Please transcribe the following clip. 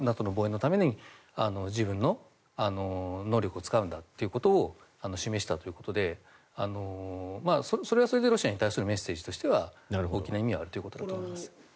ＮＡＴＯの防衛のために自分の能力を使うんだということを示したということでそれはそれでロシアに対するメッセージとしては大きな意味はあるということだと思います。